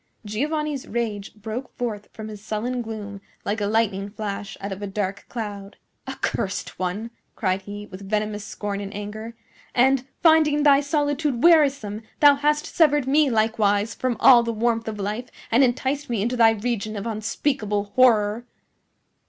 Giovanni's rage broke forth from his sullen gloom like a lightning flash out of a dark cloud. "Accursed one!" cried he, with venomous scorn and anger. "And, finding thy solitude wearisome, thou hast severed me likewise from all the warmth of life and enticed me into thy region of unspeakable horror!"